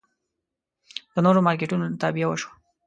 د نورو مارکېټونو تابیا وشوه.